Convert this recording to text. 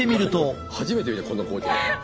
初めて見たこんな光景。